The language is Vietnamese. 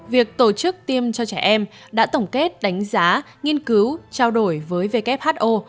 việc tổ chức tiêm cho trẻ em đã tổng kết đánh giá nghiên cứu trao đổi với who